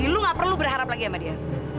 lo harus berharap lagi sama dia